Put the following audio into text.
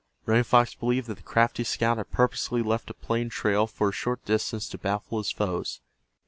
Running Fox believed that the crafty scout had purposely left a plain trail for a short distance to baffle his foes.